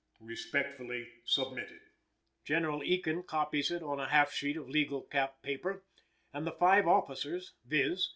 Respectfully submitted." General Ekin copies it on a half sheet of legal cap paper, and the five officers, viz.